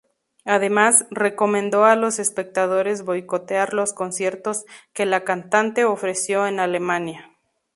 Además, recomendó a los espectadores boicotear los conciertos que la cantante ofreció en Alemania.